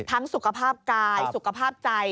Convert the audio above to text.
สุขภาพกายสุขภาพใจ